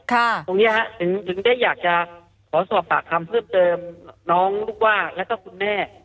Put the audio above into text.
ตรงนี้ถึงได้อยากจะขอสอบปากคำเพิ่มเติมน้องลูกว่าแล้วก็คุณแม่